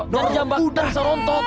jangan jangan bakar bisa rontok